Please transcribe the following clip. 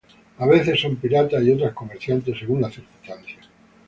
A veces son piratas y otras comerciantes, según las circunstancias.